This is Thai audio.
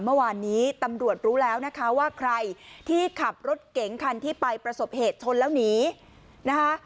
เมื่อวานนี้ตำรวจรู้แล้วนะคะว่าใครที่ขับรถเก๋งคันที่ไปประสบเหตุชนแล้วหนีนะคะ